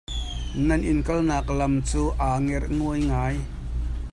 Nan inn kalnak lam cu aa ngerhnguai ngai.